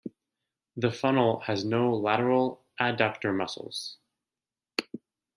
The funnel has no lateral adductor muscles.